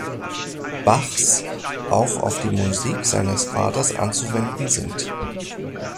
Bachs auch auf die Musik seines Vaters anzuwenden sind.